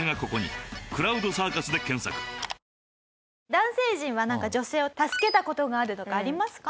男性陣はなんか女性を助けた事があるとかありますか？